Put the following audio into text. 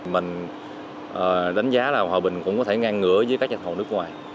mình đánh giá là hòa bình cũng có thể ngang ngửa với các nhà thầu nước ngoài